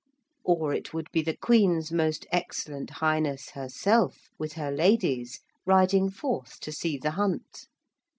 Or it would be the Queen's most Excellent Highness herself with her ladies riding forth to see the hunt.